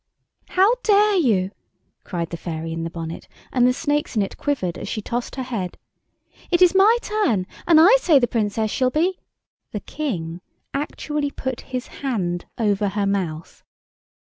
"How dare you?" cried the fairy in the bonnet, and the snakes in it quivered as she tossed her head. "It is my turn, and I say the Princess shall be——" The King actually put his hand over her mouth.